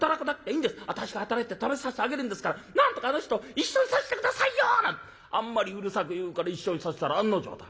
私が働いて食べさせてあげるんですからなんとかあの人と一緒にさせて下さいよ！』なんてあんまりうるさく言うから一緒にさせたら案の定だ。